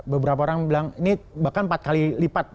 beberapa orang bilang ini bahkan empat kali lipat